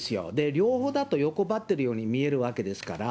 両方だと欲張ってるように見えるわけですから。